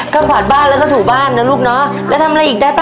ก็ขวานบ้านแล้วก็ถูบ้านนะลูกเนอะแล้วทำอะไรอีกได้ป่